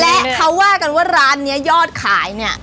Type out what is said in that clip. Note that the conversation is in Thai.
และเขาว่ากันว่าร้านนี้ยอดขายเนี่ย